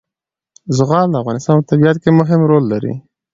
زغال د افغانستان په طبیعت کې مهم رول لري.